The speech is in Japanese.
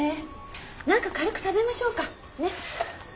何か軽く食べましょうかねっ。